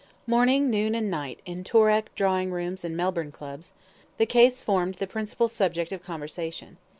Morn, noon, and night, in Toorak drawing rooms and Melbourne Clubs, the case formed the principal subject of conversation.